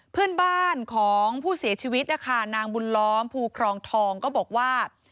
เพื่อนบ้านของผู้เสียชีวิตนะคะนางบุญล้อมภูครองทองก็บอกว่า